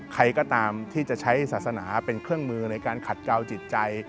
ใครก็ตามที่จะใช้ศาสนาเป็นเครื่องมือในการขัดเกาจิตใจ